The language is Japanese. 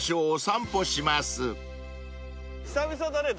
久々だね